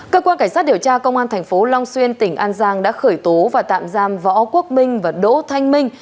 cơ quan cảnh sát điều tra công an thành phố long xuyên tỉnh an giang đã khởi tố và tạm giam võ quốc minh và đỗ thanh minh